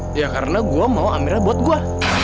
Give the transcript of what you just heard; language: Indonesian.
dia karena gue mau amira buat gue